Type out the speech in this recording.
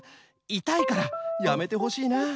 いたいからやめてほしいなあ。